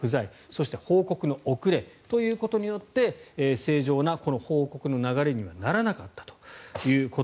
そして報告の遅れということによって正常な報告の流れにはならなかったと。